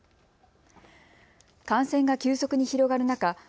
感染が急速に広がる中